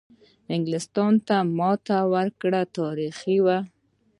انګلیستان ته ماتې ورکول تاریخي وه.